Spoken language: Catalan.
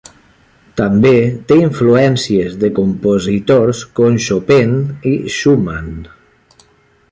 També té influències de compositors com Chopin i Schumann.